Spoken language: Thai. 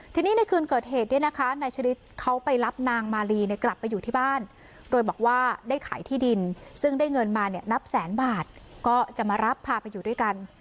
ทีนี้ในคืนเกิดเหตุเนี่ยนะคะนายชะลิดเขาไปรับนางมาลีเนี่ยกลับไปอยู่ที่บ้านโดยบอกว่าได้ขายที่ดินซึ่งได้เงินมาเนี่ยนับแสนบาทก็จะมารับพาไปอยู่ด้วยกัน